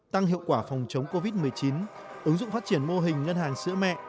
tăng hiệu quả phòng chống covid một mươi chín ứng dụng phát triển mô hình ngân hàng sữa mẹ